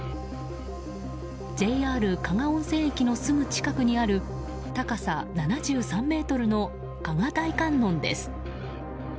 ＪＲ加賀温泉駅のすぐ近くにある高さ７３ｍの加賀大観音です。